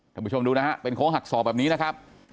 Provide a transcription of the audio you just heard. ผู้ชมดูนะฮะเป็นโค้งหักศอกแบบนี้นะครับ